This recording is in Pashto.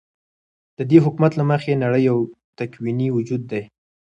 ددي حكومت له مخې نړۍ يو تكويني وجود دى ،